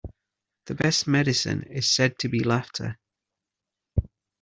The best medicine is said to be laughter.